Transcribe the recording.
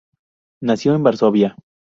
Nació en Varsovia.